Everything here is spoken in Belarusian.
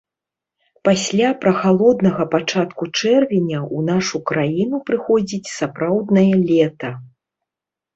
Пасля прахалоднага пачатку чэрвеня ў нашу краіну прыходзіць сапраўднае лета.